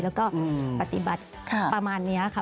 แล้วก็ปฏิบัติประมาณนี้ค่ะ